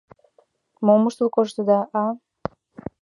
— Мом ыштыл коштыда, а?